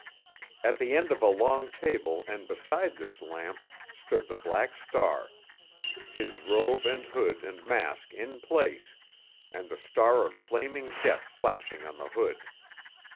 At the end of a long table and beside this lamp stood the Black Star, his robe and hood and mask in place and the star of flaming jet flashing on the hood.